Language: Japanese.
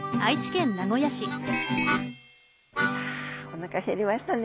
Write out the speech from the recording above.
おなか減りましたね。